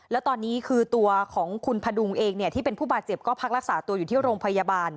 แล้วตอนนี้คือตัวของคุณพดุงเองที่เป็นผู้บาดเจ็บก็พักรักษาตัวอยู่ที่โรงพยาบาล